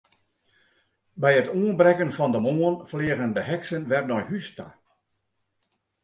By it oanbrekken fan de moarn fleagen de heksen wer nei hús ta.